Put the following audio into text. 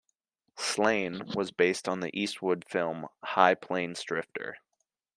"Slain" was based on the Eastwood film "High Plains Drifter".